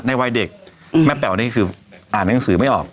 ในวัยเด็กแม่แป๋วนี่คืออ่านหนังสือไม่ออก